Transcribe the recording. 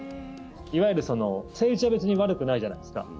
いわゆるセイウチは別に悪くないじゃないですか。